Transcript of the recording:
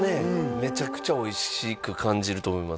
めちゃくちゃおいしく感じると思います